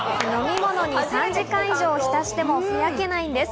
飲み物に３時間以上浸してもふやけないんです。